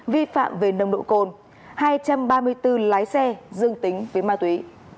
vi phạm về nồng độ cồn hai trăm ba mươi bốn lái xe dương tính với ma túy